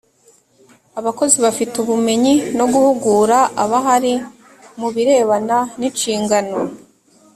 abakozi bafite ubumenyi no guhugura abahari mu birebana n inshingano